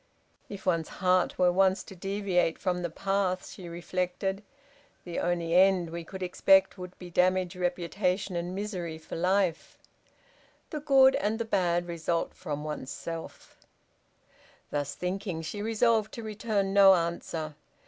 "If one's heart were once to deviate from the path," she reflected, "the only end we could expect would be a damaged reputation and misery for life: the good and the bad result from one's self!" Thus thinking, she resolved to return no answer.